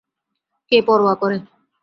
কে পরোয়া করে।